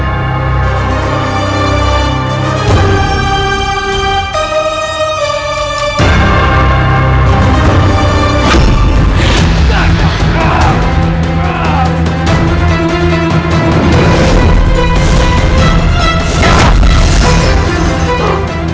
tolong jangan bunuh aku